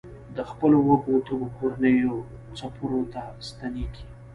د خپلو وږو تږو کورنیو څپرو ته ستنېږي.